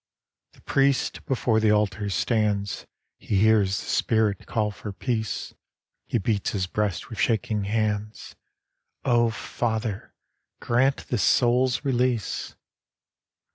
The priest before the alter stands He hears the spirit call for peace; He beats his breast with shaking hands. " Oh, Father, grant this soul's release.